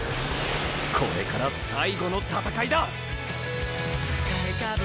これから最後の闘いだ！